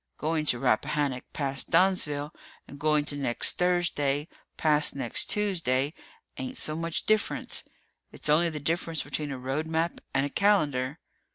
Going to Rappahannock, past Dunnsville, and going to next Thursday, past next Tuesday, ain't so much difference. It's only the difference between a road map and a calendar."